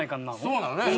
そうだよね。